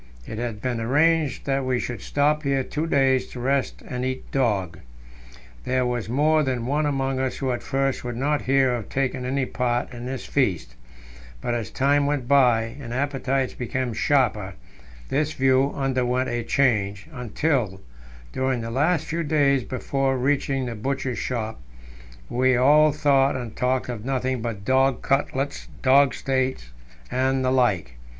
It had been arranged that we should stop here two days to rest and eat dog. There was more than one among us who at first would not hear of taking any part in this feast; but as time went by, and appetites became sharper, this view underwent a change, until, during the last few days before reaching the Butcher's Shop, we all thought and talked of nothing but dog cutlets, dog steaks, and the like.